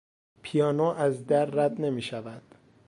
پیانو از در رد نمیشود.